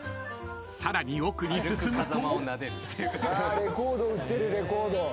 ［さらに奥に進むと］